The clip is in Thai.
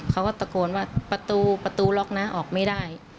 เขาก็ตะโกนว่าประตูประตูล็อกนะออกไม่ได้